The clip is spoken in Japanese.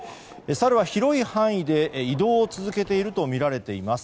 サルは広い範囲で移動を続けているとみられています。